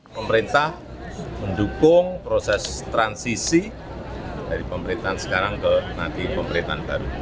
pemerintah mendukung proses transisi dari pemerintahan sekarang ke nanti pemerintahan baru